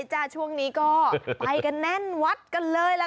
ช่วงนี้ก็ไปกันแน่นวัดกันเลยล่ะค่ะ